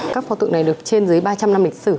các pho tượng này được trên dưới ba trăm linh năm lịch sử